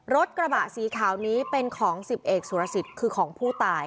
รถกระบะสีขาวนี้เป็นของ๑๐เอกสุรสิทธิ์คือของผู้ตาย